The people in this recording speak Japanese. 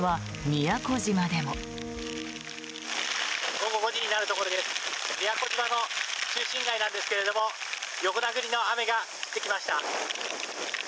宮古島の中心街なんですが横殴りの雨が降ってきました。